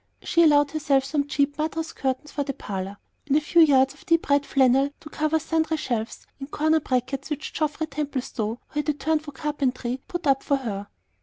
She allowed herself some cheap Madras curtains for the parlor, and a few yards of deep red flannel to cover sundry shelves and corner brackets which Geoffrey Templestowe, who had a turn for carpentry, put up for her.